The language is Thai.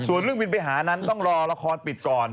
ส่วนเรื่องบินไปหานั้นต้องรอละครปิดก่อน